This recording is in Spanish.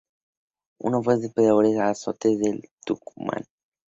Fue uno de los peores azotes del Tucumán.